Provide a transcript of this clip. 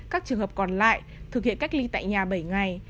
các trường hợp còn lại thực hiện cách ly tại nhà bảy ngày